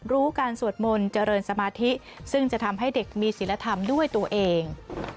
รู้การสวดมนต์เจริญสมาธิซึ่งจะทำให้เด็กมีศิลธรรมด้วยตัวเอง